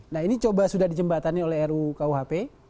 nah ini coba sudah dijembatani oleh ru kuhp